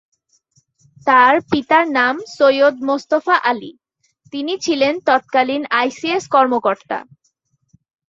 তার পিতার নাম সৈয়দ মোস্তফা আলী; তিনি ছিলেন তৎকালীন আইসিএস কর্মকর্তা।